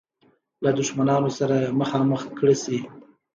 له دښمنانو سره مخامخ کړه شي.